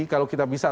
kalau kita bisa